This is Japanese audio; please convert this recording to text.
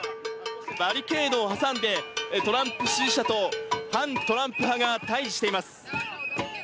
バリケードを挟んでトランプ支持者と反トランプ派が対峙しています。